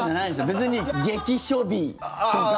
別に劇暑日とか。